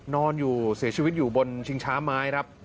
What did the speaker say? นอนอยู่เสียชีวิตอยู่บนชิงช้าไม้ครับ